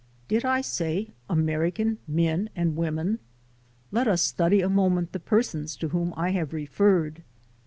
Did I say "American men and women"? Let us study a moment the persons to whom I have referred.